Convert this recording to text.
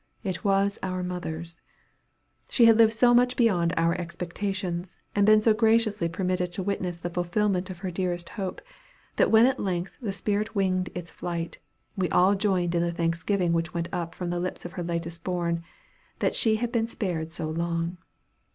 It was our mother's. She had lived so much beyond our expectations, and been so graciously permitted to witness the fulfilment of her dearest hope, that when at length the spirit winged its flight, we all joined in the thanksgiving which went up from the lips of her latest born, that she had been spared so long.